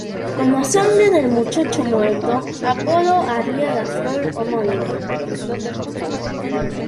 Con la sangre del muchacho muerto, Apolo haría la flor homónima.